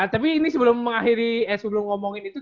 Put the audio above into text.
tapi ini sebelum ngomongin itu